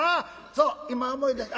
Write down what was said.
そう今思い出した。